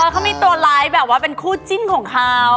เขามีตัวไลฟ์แบบว่าเป็นคู่จิ้นของเขา